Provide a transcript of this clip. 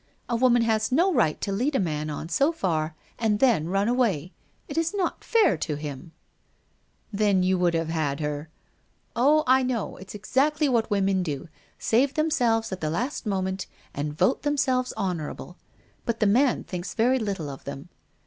A woman has no right to lead a man on so far and then run away; it is not fair to him/ ' Then you would have had her '' Oh, I know ; if s exactly what women do, save them selves at the last moment and vote themselves honoura ble. But the man thinks very little of them.